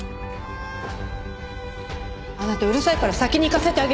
あなたうるさいから先に逝かせてあげる。